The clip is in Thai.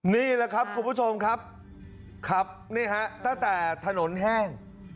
นี่แหละครับคุณผู้ชมครับขับนี่ฮะตั้งแต่ถนนแห้ง